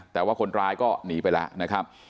แต่ว่าคนร้ายก็หนีไปแล้วนะครับ